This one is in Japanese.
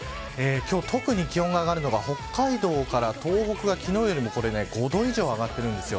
今日、特に気温が上がるのが北海道から東北が昨日よりも５度以上、上がっているんです。